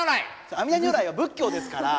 阿弥陀如来は仏教ですから。